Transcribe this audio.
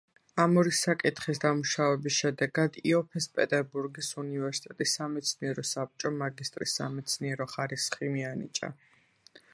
ამ ორი საკითხის დამუშავების შედეგად იოფეს პეტერბურგის უნივერსიტეტის სამეცნიერო საბჭომ მაგისტრის სამეცნიერო ხარისხი მიანიჭა.